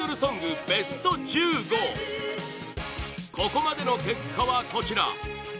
ここまでの結果はこちら。